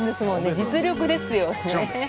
実力ですよね。